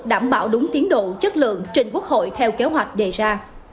đảm bảo đúng tiến độ chất lượng trình quốc hội theo kế hoạch đề ra